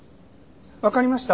わかりました。